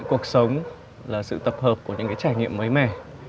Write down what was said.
cuộc sống là sự tập hợp của những trải nghiệm mới mẻ